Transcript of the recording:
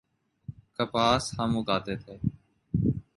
کپاس ہم اگاتے تھے۔